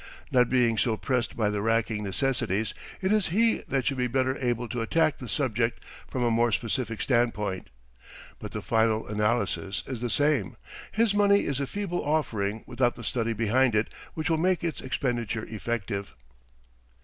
Not being so pressed by the racking necessities, it is he that should be better able to attack the subject from a more scientific standpoint; but the final analysis is the same: his money is a feeble offering without the study behind it which will make its expenditure effective.